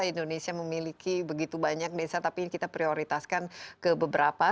indonesia memiliki begitu banyak desa tapi kita prioritaskan ke beberapa